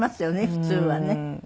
普通はね。